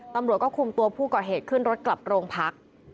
ตำรวจก็คุมตัวผู้ก่อเหตุขึ้นรถกลับโรงพัก